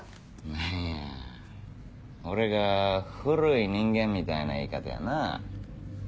何や俺が古い人間みたいな言い方やなぁ。